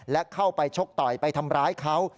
และเข้าไปชกต่อยไปทำร้ายเขา